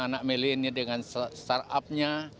anak anak melenya dengan startupnya